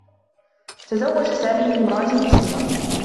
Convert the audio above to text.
تزوّج سامي من امرأة مسلمة.